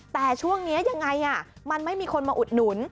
แต่ช่วงนี้ยังไงมันไม่มีคนมาอุดหนุน